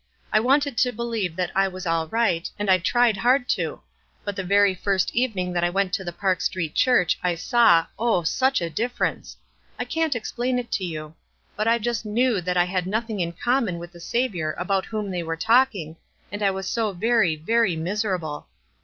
I wanted to believe that I was all ricrht, and I tried hard to ; but the very first evening that I went to the Park Street Church I saw, oh 9 such a difference ! I can't explain it to you ; but I 344 WISE AND OTHERWISE. just knew that I had nothing in common with the Saviour about whom they were talking, aud I was so very, very miserable.